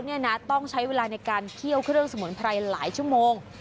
เนี่ยนะต้องใช้เวลาในการเคี่ยวเครื่องสมุนไพรหลายชั่วโมง